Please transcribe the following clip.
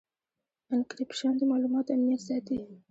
انکریپشن د معلوماتو امنیت ساتي.